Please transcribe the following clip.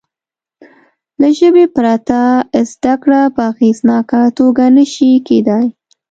له ژبې پرته زده کړه په اغېزناکه توګه نه شي کېدای.